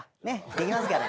できますから。